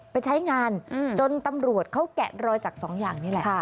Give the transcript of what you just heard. ไปใช้งานจนตำรวจเขาแกะรอยจากสองอย่างนี้แหละ